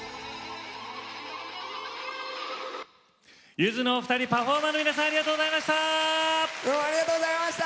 ゆずのお二人パフォーマーの皆さんありがとうございました！